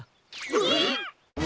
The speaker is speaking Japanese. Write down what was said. えっ！？